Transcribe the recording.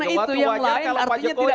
ya karena itu yang lain artinya tidak